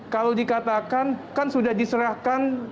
kalau dikatakan kan sudah diserahkan